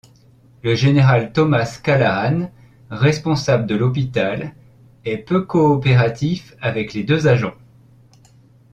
Le général Thomas Callahan, responsable de l'hôpital, est peu coopératif avec les deux agents.